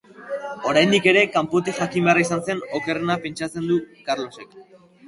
Oraindik ere, kanpotik jakin beharra izan zela okerrena pentsatzen du Karlosek.